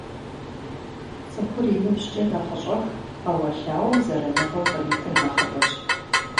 ЦӀыхур и ныбжькӀэ нэхъыщӀэху, Ӏэуэлъауэм зэраныгъэу къритыр нэхъыбэщ.